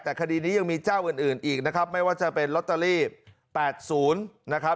แต่คดีนี้ยังมีเจ้าอื่นอีกนะครับไม่ว่าจะเป็นลอตเตอรี่๘๐นะครับ